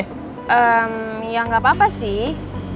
ehm ya gak apa apa sih